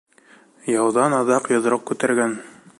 Яуҙан аҙаҡ йоҙроҡ күтәргән.